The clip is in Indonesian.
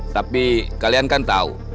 tapi kalian kan tau